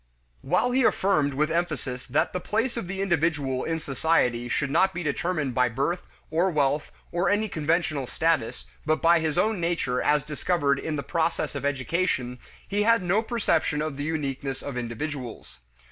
While he affirmed with emphasis that the place of the individual in society should not be determined by birth or wealth or any conventional status, but by his own nature as discovered in the process of education, he had no perception of the uniqueness of individuals.